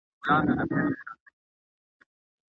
دا ټول تر يوه حکم لاندي دي.